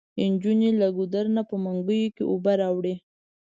انجونې له ګودر نه په منګيو کې اوبه راوړي.